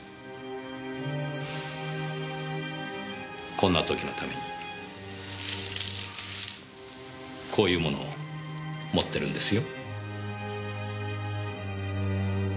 こんな時のためにこういうものを持ってるんですよ。